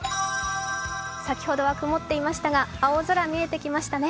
先ほどは曇っていましたが、青空見えてきましたね。